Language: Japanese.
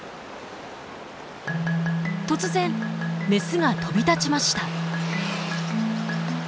突然メスが飛び立ちました。